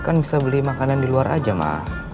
kan bisa beli makanan di luar aja mah